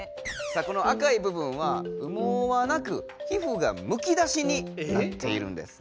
この赤い部分は羽毛はなくひふがむき出しになっているんですね。